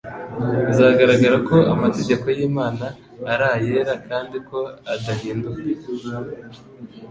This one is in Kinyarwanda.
Bizagaragara ko amategeko y'Imana ari ayera kandi ko adahinduka.